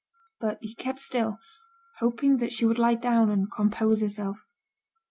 But he kept still, hoping that she would lie down and compose herself.